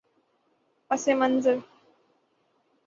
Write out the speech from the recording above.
پس منظر